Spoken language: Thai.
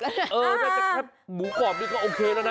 แต่หมูกรอบนี้ก็โอเคแล้วนะ